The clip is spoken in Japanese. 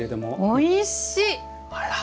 おいしいっ！